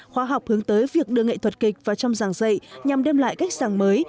khóa học hướng tới việc đưa nghệ thuật kịch vào trong giảng dạy nhằm đem lại cách giảng mới